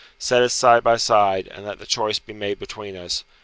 "Set us side by side, and let the choice be made between us.